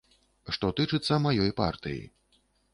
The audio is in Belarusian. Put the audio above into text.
Што тычыцца маёй партыі.